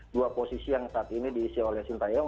dua posisi yang saat ini diisi oleh shinta yang